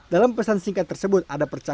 dalam pesan singkat tersebut ada percaya